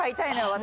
私。